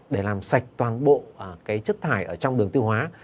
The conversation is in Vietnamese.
để làm sạch toàn bộ chất thải ở trong đường tiêu hóa